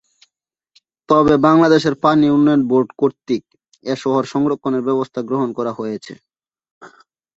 তবে বাংলাদেশ পানি উন্নয়ন বোর্ড কর্তৃক এ শহর সংরক্ষণের ব্যবস্থা গ্রহণ করা হয়েছে।